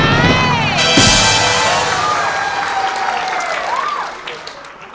ไม่ค่ะไม่ใช่